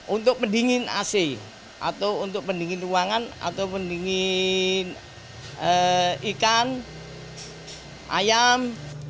untuk pendingin ac atau untuk pendingin ruangan atau pendingin ikan ayam